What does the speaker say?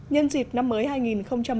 nhân dịp năm mới hai nghìn một mươi tám